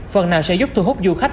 phần nào sẽ giúp thu hút du khách